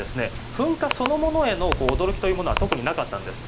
噴火そのものへの驚きというものは特になかったんです。